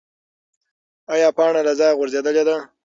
ایا پاڼه له ځایه غورځېدلې ده؟